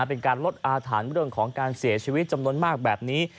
เป็นการลดอาถรรพ์เรื่องของการเสียชีวิตจำนวนมากแบบนี้